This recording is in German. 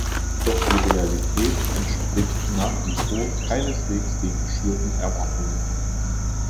Doch die Realität entspricht nach wie vor keineswegs den geschürten Erwartungen.